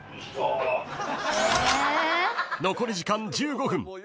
［残り時間１５分。